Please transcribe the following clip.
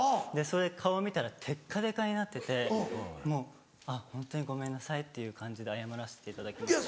それで顔見たらテッカテカになっててもうあっホントにごめんなさいっていう感じで謝らせていただきました。